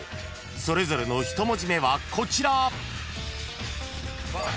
［それぞれの一文字目はこちら］